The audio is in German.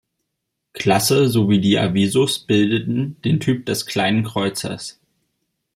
Klasse sowie die Avisos bildeten den Typ des Kleinen Kreuzers.